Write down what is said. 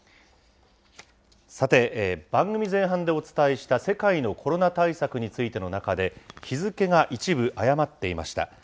さて、番組前半でお伝えした、世界のコロナ対策についての中で、日付が一部誤っていました。